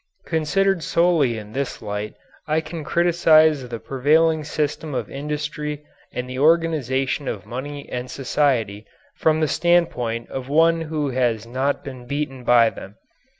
Considered solely in this light I can criticize the prevailing system of industry and the organization of money and society from the standpoint of one who has not been beaten by them.